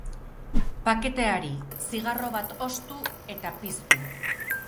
Paketeari zigarro bat ostu eta piztu.